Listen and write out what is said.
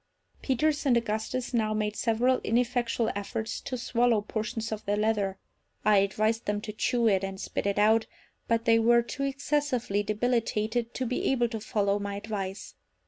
Peters and Augustus now made several ineffectual efforts to swallow portions of the leather. I advised them to chew it and spit it out; but they were too excessively debilitated to be able to follow my advice.